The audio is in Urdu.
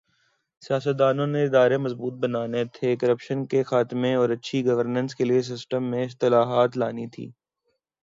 سیاستدانوں نے ادارے مضبوط بنانے تھے، کرپشن کے خاتمہ اور اچھی گورننس کے لئے سسٹم میں اصلاحات لانی تھی۔